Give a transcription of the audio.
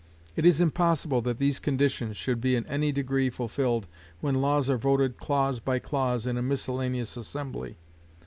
It is impossible that these conditions should be in any degree fulfilled when laws are voted clause by clause in a miscellaneous assembly.